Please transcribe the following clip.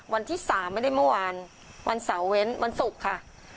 วันที่๓ไม่ได้เมื่อวานวันเสาร์เว้นวันศุกร์ค่ะ